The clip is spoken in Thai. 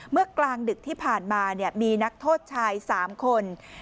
กลางดึกที่ผ่านมามีนักโทษชาย๓คน